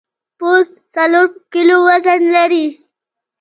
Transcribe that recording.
پوست څلور کیلو وزن لري.